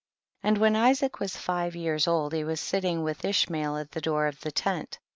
13. And when Isaac was five years old he was sitting with Ishmael at the door of the tent. 14.